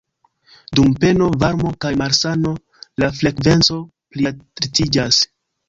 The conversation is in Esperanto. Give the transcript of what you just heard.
Dum peno, varmo kaj malsano la frekvenco plialtiĝas.